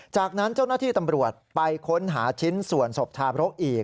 จากนั้นเจ้าหน้าที่ตำรวจไปค้นหาชิ้นส่วนศพทาบรกอีก